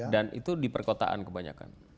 dan itu di perkotaan kebanyakan